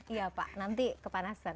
iya pak nanti kepanasan